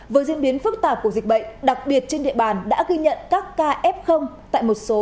với diễn biến phức tạp của dịch bệnh đặc biệt trên địa bàn đã ghi nhận các ca f tại một số